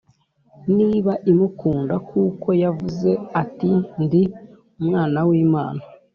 niba imukunda kuko yavuze ati, ndi umwana w’imana